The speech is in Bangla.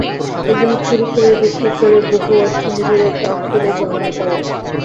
এগুলো চুরি করে বিক্রি করে বহু অর্থ নিজেদের তহবিলে জমা করে।